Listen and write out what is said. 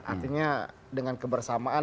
artinya dengan kebersamaan